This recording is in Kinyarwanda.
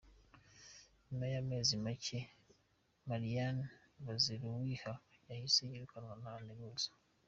Nyuma y’amezi macye, Marianne Baziruwiha yahise yirukanwa nta nteguza.